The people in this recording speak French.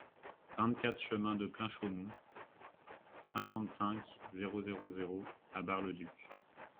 vingt-quatre chemin de Plein Chaumont, cinquante-cinq, zéro zéro zéro à Bar-le-Duc